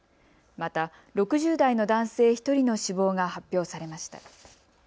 また６０代の男性１人の死亡が発表されました。